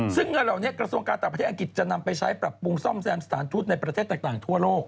ซึ่งเงินเหล่านี้กระทรวงการต่างประเทศอังกฤษจะนำไปใช้ปรับปรุงซ่อมแซมสถานทูตในประเทศต่างทั่วโลก